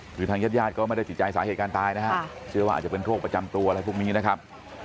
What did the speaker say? คือทางญาติญาติก็ไม่ได้ติดใจสาเหตุการณ์ตายนะฮะเชื่อว่าอาจจะเป็นโรคประจำตัวอะไรพวกนี้นะครับ